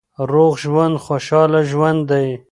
روغ ژوند خوشاله ژوند دی.